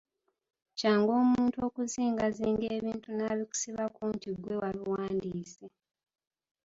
Kyangu omuntu okujingajinga ebintu n’abikusibako nti ggwe wabiwandiise.